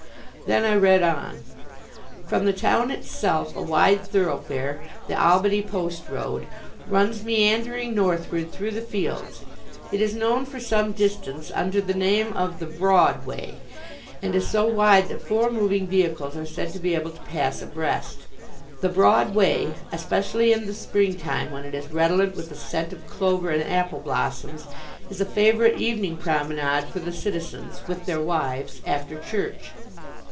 Then I read on: "From the town itself a wide thoroughfare, the Albany Post Road, runs meandering northward through the fields. It is known for some distance under the name of the Broad Way, and is so wide that four moving vehicles are said to be able to pass abreast. The Broad Way, especially in the springtime when it is redolent with the scent of clover and apple blossoms, is a favourite evening promenade for the citizens with their wives after church.